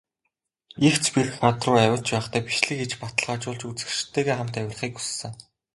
Эгц бэрх хад руу авирч байхдаа бичлэг хийж, баталгаажуулж, үзэгчидтэйгээ хамт авирахыг хүссэн.